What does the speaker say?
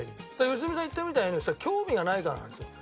良純さん言ったみたいにそれは興味がないからなんですよ。